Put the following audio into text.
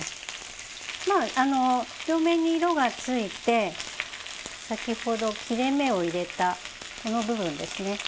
まあ両面に色がついて先ほど切れ目を入れたこの部分ですね。